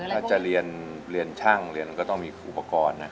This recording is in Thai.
ถ้าจะเรียนช่างเรียนมันก็ต้องมีอุปกรณ์นะ